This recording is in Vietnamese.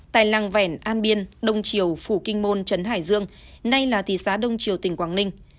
tại làng vẻn an biên đông triều phủ kinh môn trấn hải dương nay là thị xã đông triều tỉnh quảng ninh